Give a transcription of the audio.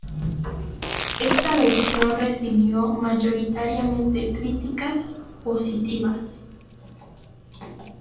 Esta versión recibió mayoritariamente críticas positivas.